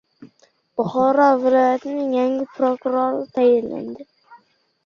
Buxoro viloyatiga yangi prokuror tayinlandi